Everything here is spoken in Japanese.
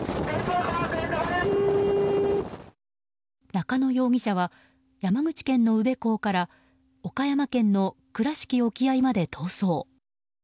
中野容疑者は山口県の宇部港から岡山県の倉敷沖合まで逃走。